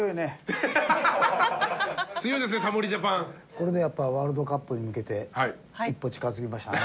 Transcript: これでやっぱワールドカップに向けて一歩近づきましたね。